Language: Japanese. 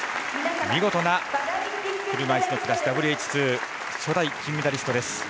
見事な車いすのクラスＷＨ２初代金メダリストです。